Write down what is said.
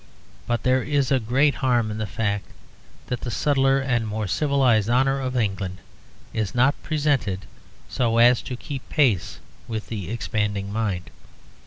But there is great harm in the fact that the subtler and more civilized honour of England is not presented so as to keep pace with the expanding mind.